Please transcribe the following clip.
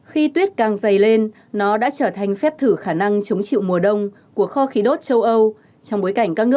hãy đăng ký kênh để ủng hộ kênh của mình nhé